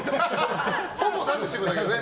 ほぼダルシムだけどね。